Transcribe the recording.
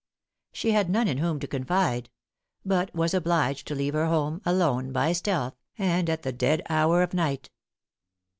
She had none in whom to confide; but was obliged to leave her home alone, by stealth, and at the dead hour of night.